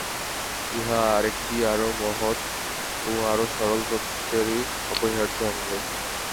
ইহা আর একটি আরও মহৎ ও আরও সরল তত্ত্বেরই অপরিহার্য অঙ্গ।